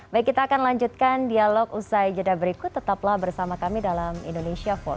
baik kita akan lanjutkan dialog usai jeda berikut tetaplah bersama kami dalam indonesia forwar